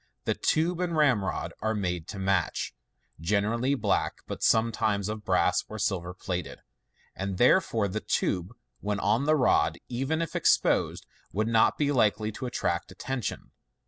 The tube and ramrod are made to match (generally black, but sometimes of brass or silver plated) ; and therefore the tube, when on the rod, even if exposed, would not be likely to attract attention.